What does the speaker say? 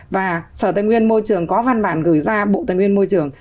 và sở tây nguyên môi trường có văn bản gửi ra bộ tài nguyên môi trường